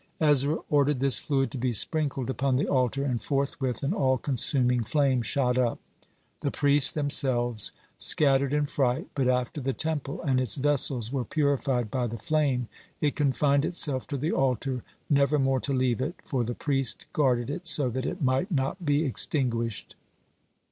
Ezra ordered this fluid to be sprinkled upon the altar, and forthwith an all consuming flame shot up. The priests themselves scattered in fright. But after the Temple and its vessels were purified by the flame, it confined itself to the altar never more to leave it, for the priest guarded it so that it might not be extinguished.